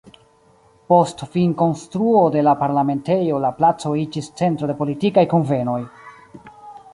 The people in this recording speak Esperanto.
Post finkonstruo de la Parlamentejo la placo iĝis centro de politikaj kunvenoj.